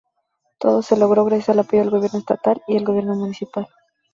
Todo se logró, gracias al apoyo del Gobierno Estatal y del Gobierno Municipal.